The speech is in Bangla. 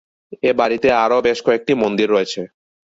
এ বাড়িতে আরও বেশ কয়েকটি মন্দির রয়েছে।